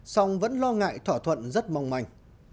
song vẫn lo ngại thỏa thuận rất mong manh